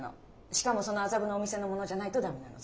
しかもその麻布のお店のものじゃないと駄目なの。